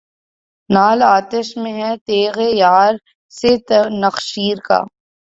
نعل آتش میں ہے تیغ یار سے نخچیر کا